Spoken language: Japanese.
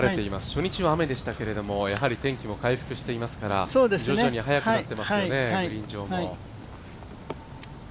初日は雨でしたけども、やはり天気は回復していますから徐々に速くなってますよね